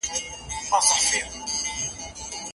نظري محتوا بايد غني وي.